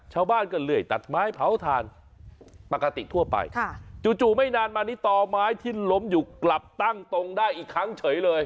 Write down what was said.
ชาวบ้านก็เลื่อยตัดไม้เผาถ่านปกติทั่วไปจู่ไม่นานมานี้ต่อไม้ที่ล้มอยู่กลับตั้งตรงได้อีกครั้งเฉยเลย